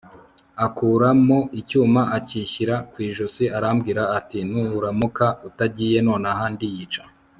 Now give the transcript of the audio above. akuramo icyuma acyishyira kwijosi arambwira ati nuramuka utagiye nonaha ndiyica